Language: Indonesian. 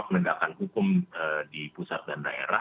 untuk menggerakkan hukum di pusat dan daerah